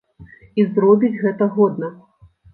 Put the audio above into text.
І зробіць гэта годна.